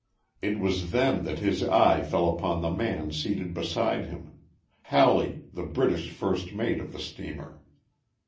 It was then that his eye fell upon the man seated beside him Halley, the British first mate of the steamer.